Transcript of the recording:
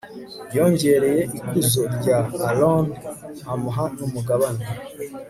yongereye ikuzo rya aroni, amuha n'umugabane